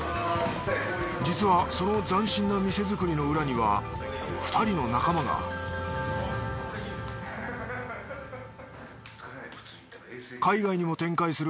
実はその斬新な店作りの裏には２人の仲間が海外にも展開する